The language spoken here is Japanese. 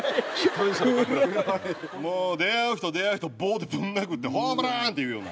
もう出会う人出会う人棒でぶん殴って「ホームラン！！」って言うような。